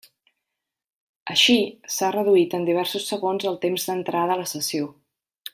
Així, s'ha reduït en diversos segons el temps d'entrada a la sessió.